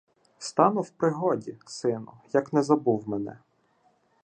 Стану в пригоді, сину, як не забув мене